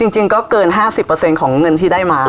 จริงก็เกิน๕๐ของเงินที่ได้มา